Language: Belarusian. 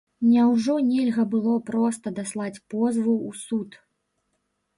Няўжо нельга было проста даслаць позву ў суд?